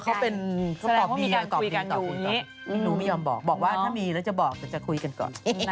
เออเขาเป็นแสดงว่ามีการคุยกันอยู่นี่หนูไม่ยอมบอกบอกว่าถ้ามีแล้วจะบอกแต่จะคุยกันก่อน